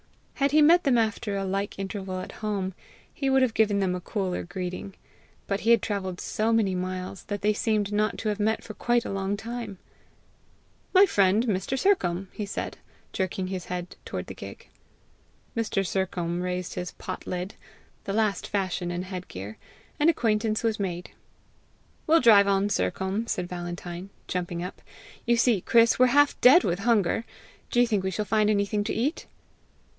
Had he met them after a like interval at home, he would have given them a cooler greeting; but he had travelled so many miles that they seemed not to have met for quite a long time. "My friend, Mr. Sercombe," he said, jerking his head toward the gig. Mr. Sercombe raised his POT LID the last fashion in head gear and acquaintance was made. "We'll drive on, Sercombe," said Valentine, jumping up. "You see, Chris, we're half dead with hunger! Do you think we shall find anything to eat?"